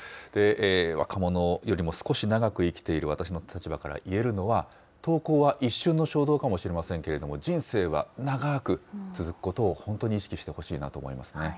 若者よりも少し長く生きている私の立場からいえるのは、投稿は一瞬の衝動かもしれませんけど、人生は長く続くことを、本当に意識してほしいなと思いますね。